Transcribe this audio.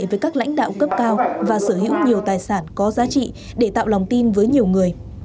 với các lãnh đạo cấp cao và sở hữu nhiều tài sản có giá trị để tạo lòng tin với nhiều người